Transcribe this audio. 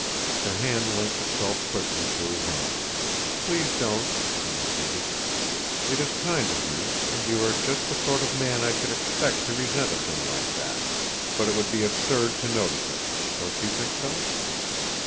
Her hand linked itself quickly through his arm. "Please don't," she entreated. "It is kind of you, and you are just the sort of man I should expect to resent a thing like that. But it would be absurd to notice it. Don't you think so?"